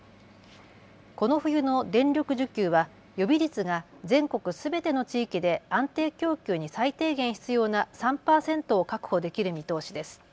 この冬の電力需給は予備率が全国すべての地域で安定供給に最低限必要な３％を確保できる見通しです。